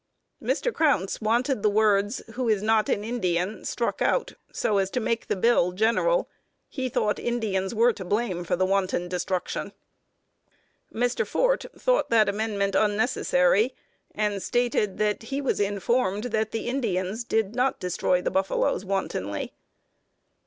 Mr. Crounse wanted the words "who is not an Indian" struck out, so as to make the bill general. He thought Indians were to blame for the wanton destruction. Mr. Fort thought the amendment unnecessary, and stated that he was informed that the Indians did not destroy the buffaloes wantonly.